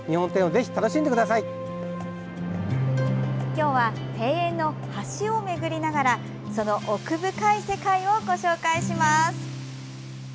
今日は庭園の橋を巡りながらその奥深い世界をご紹介します！